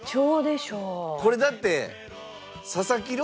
これだって。